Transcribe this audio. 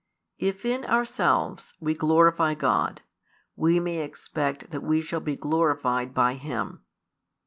If in ourselves we glorify God, we may expect that we shall be glorified by Him.